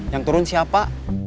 yang turun siapa